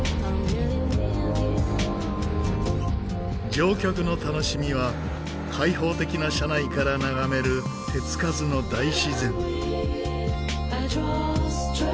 乗客の楽しみは開放的な車内から眺める手つかずの大自然。